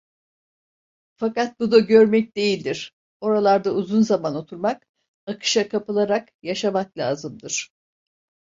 Fakat bu da görmek değildir: Oralarda uzun zaman oturmak, akışa kapılarak yaşamak lazımdır.